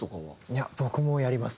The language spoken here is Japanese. いや僕もやります